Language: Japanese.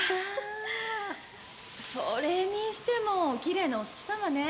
それにしても奇麗なお月さまね。